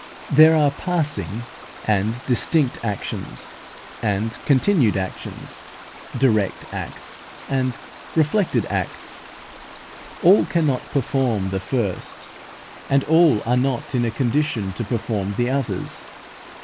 There are passing and distinct actions, and continued actions; direct acts and reflected acts. All cannot perform the first, and all are not in a condition to perform the others.